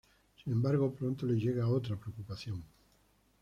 Sin embargo, pronto le llega otra preocupación.